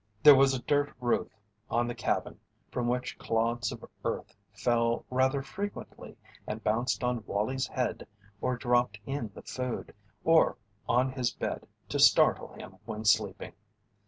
There was a dirt roof on the cabin from which clods of earth fell rather frequently and bounced on Wallie's head or dropped in the food, or on his bed to startle him when sleeping.